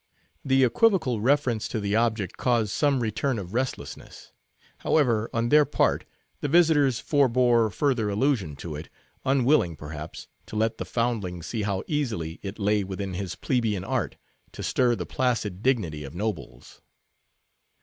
The equivocal reference to the object caused some return of restlessness. However, on their part, the visitors forbore further allusion to it, unwilling, perhaps, to let the foundling see how easily it lay within his plebeian art to stir the placid dignity of nobles.